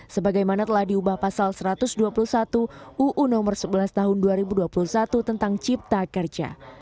sebagaimana telah diubah pasal satu ratus dua puluh satu uu nomor sebelas tahun dua ribu dua puluh satu tentang cipta kerja